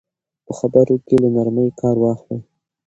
په خبرو کې له نرمۍ کار واخلئ.